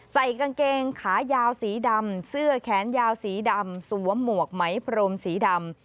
ใส่กางเกงขายาวสีดำเสื้อแขนยาวสีดำสวมหมวกไหมพรมสีดำ